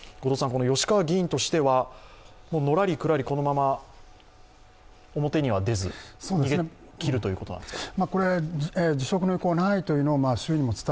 吉川議員としては、のらりくらり、このまま表には出ず逃げきるということなんですか。